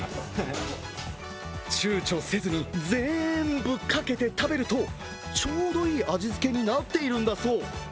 ちゅうちょせずに全部かけて食べると、ちょうどいい味付けになっているんだそう。